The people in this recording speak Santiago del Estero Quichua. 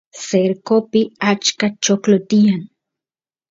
cercopi achka choclo tiyan